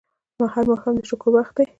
هر ماښام د شکر وخت دی